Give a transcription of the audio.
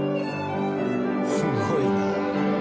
すごいな。